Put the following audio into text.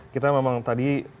kita memang tadi